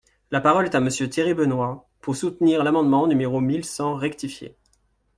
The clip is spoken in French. La parole est à Monsieur Thierry Benoit, pour soutenir l’amendement numéro mille cent rectifié.